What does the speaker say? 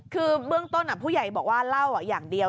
คือเบื้องต้นผู้ใหญ่บอกว่าเล่าอย่างเดียว